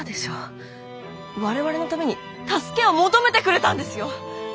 我々のために助けを求めてくれたんですよ。